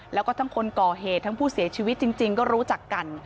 แล้วก็ทั้งคนก่อเหตุทั้งผู้เสียชีวิตจริงก็รู้จักกัน